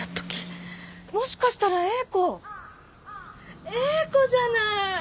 もしかしたら英子？英子じゃない！